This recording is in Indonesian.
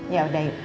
ya udah yuk